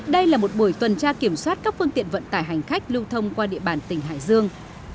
đây là một buổi tuần tra kiểm soát các phương tiện vận tải hành khách lưu thông qua địa bàn tỉnh hải dương